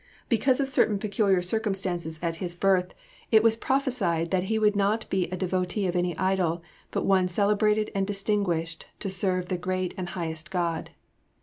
Because of certain peculiar circumstances at his birth it was prophesied that he was not to be a devotee of any idol, but one "celebrated and distinguished to serve the great and highest God."